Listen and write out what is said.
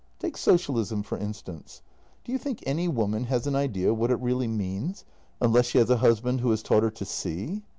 "Take socialism, for instance. Do you think any woman has an idea what it really means, unless she has a husband who has taught her to see?